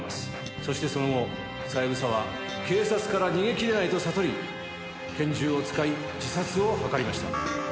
そしてその後三枝は警察から逃げ切れないと悟り拳銃を使い自殺を図りました。